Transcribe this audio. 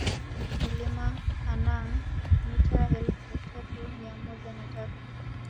Mlima Hanang mita elfu tatu mia moja na tatu